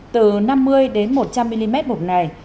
từ năm mươi đến một trăm linh mm một ngày